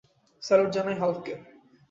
Salute জানাই হাল্ককে!